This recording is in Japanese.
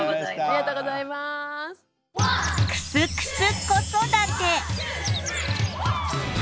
ありがとうございます。